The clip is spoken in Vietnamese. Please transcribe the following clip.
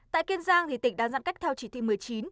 tại kiên giang tỉnh đã giãn cách theo chỉ thị một mươi chín